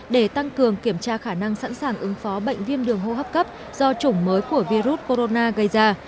để tăng cường kiểm tra khả năng sẵn sàng ứng phó bệnh viêm đường hô hấp cấp do chủng mới của virus corona gây ra